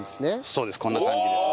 そうですこんな感じです。